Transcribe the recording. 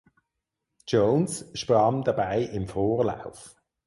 Jones schwamm dabei im Vorlauf.